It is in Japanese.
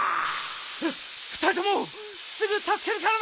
ふたりともすぐたすけるからな！